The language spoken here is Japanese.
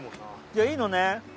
ゃあいいのね？